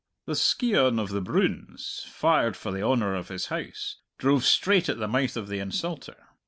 The scion of the Broons, fired for the honour of his house, drove straight at the mouth of the insulter.